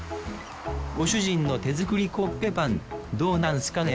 ご主人の手作りコッペパンどうなんすかね？